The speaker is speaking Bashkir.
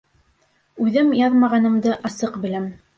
Үҙем яҙмағанымды асыҡ беләм.